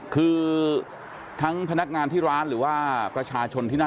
คือทั้งพนักงานที่ร้านหรือว่าประชาชนที่นั่น